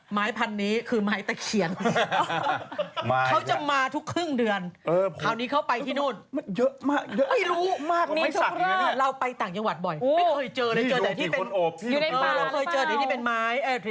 ให้คนได้แบบว่าชิคกี้พายได้เป็นข่าวถ่ายรูปกันซักนิดนึงอย่างนี้เหรอ